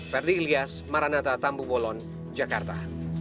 ferdi ilyas maranatha tambu bolon jakarta